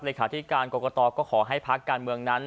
เลขาธิการกรกตก็ขอให้ภาคการเมืองนั้น